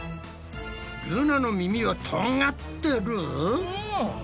ルナの耳はとんがってる！？